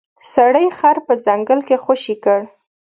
سړي خر په ځنګل کې خوشې کړ.